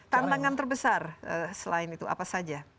tantangan terbesar selain itu apa saja